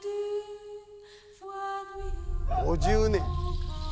「５０年代！」